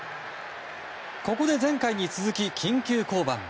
ここで前回に続き緊急降板。